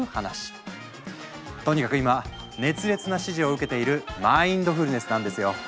とにかく今熱烈な支持を受けているマインドフルネスなんですよ！